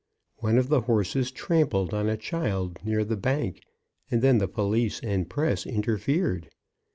One of the horses trampled on a child near the Bank, and then the police and press interfered.